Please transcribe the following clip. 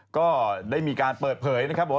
ก็ได้มีการเปิดผลอยเปลือก